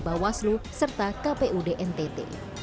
bawaslu serta kpud ntt